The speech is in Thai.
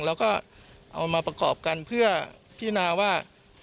แล้วก็เอามาประกอบกันเพื่อพินาว่า